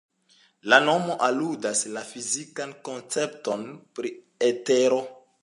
La nomo aludas la fizikan koncepton pri etero.